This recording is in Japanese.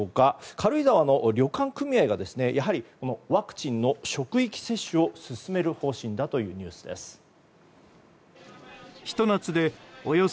軽井沢の旅館組合がワクチンの職域接種を進める方針だというニュースです。